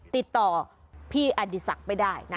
ติดต่อพี่อดีสัตว์ไปได้นะ